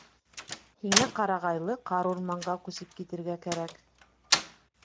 — Һиңә ҡарағайлы ҡарурманға күсеп китергә кәрәк.